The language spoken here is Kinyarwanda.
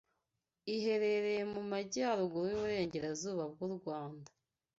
iherereye mu majyaruguru y’uburengerazuba bw’u Rwanda